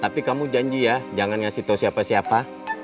tapi kamu janji ya jangan ngasih tahu siapa siapa